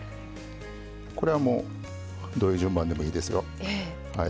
これはどういう順番でもいいですよ。